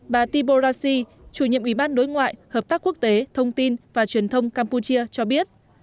bà tiboraci chủ nhiệm ủy ban đối ngoại hợp tác quốc tế thông tin và truyền thông campuchia cho biết